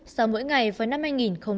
sau mỗi ngày vào năm hai nghìn hai mươi bốn